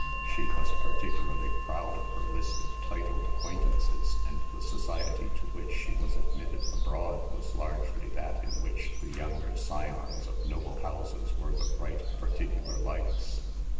She was particularly proud of her list of titled acquaintances, and the society to which she was admitted abroad was largely that in which the younger scions of noble houses were the bright particular lights.